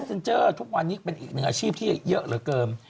เซ็นเจอร์ทุกวันนี้เป็นอีกหนึ่งอาชีพที่เยอะเหลือเกิน